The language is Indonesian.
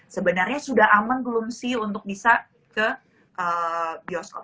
sebenarnya sudah aman belum sih untuk bisa ke bioskop